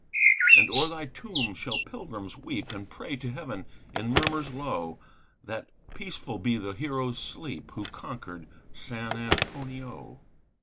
And o'er thy tomb shall pilgrims weep, And pray to heaven in murmurs low That peaceful be the hero's sleep Who conquered San Antonio.